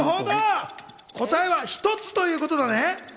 答えはひとつということだね。